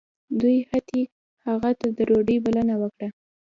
دوی حتی هغه ته د ډوډۍ بلنه ورکړه